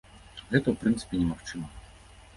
Гэта ў прынцыпе немагчыма.